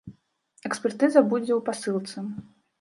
Экспертыза будзе ў пасылцы.